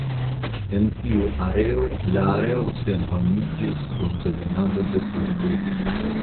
En tiu areo la areo senhomiĝis dum dominado de turkoj.